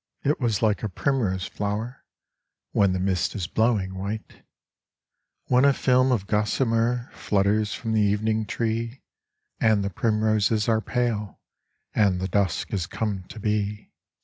It was like a primrose flower When the mist is blowing white, When a film of gossamer Flutters from the evening tree, And the primroses are pale And the dusk has come to be.